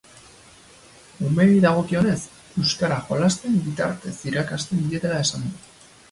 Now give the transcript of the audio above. Umeei dagokienez, euskara jolasen bitartez irakasten dietela esan du.